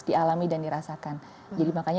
dialami dan dirasakan jadi makanya